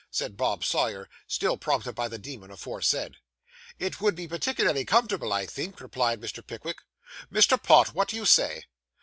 said Bob Sawyer, still prompted by the demon aforesaid. 'It would be particularly comfortable, I think,' replied Mr. Pickwick. 'Mr. Pott, what do you say?